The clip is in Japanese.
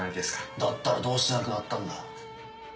だったらどうして亡くなったんだ？